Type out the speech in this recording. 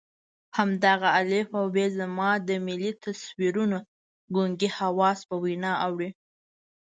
همدغه الف او ب زما د ملي تصویرونو ګونګي حواس په وینا اړوي.